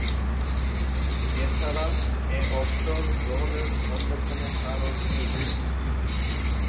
এছাড়া, এ অবসর গ্রহণের অন্য কোন কারণ নেই।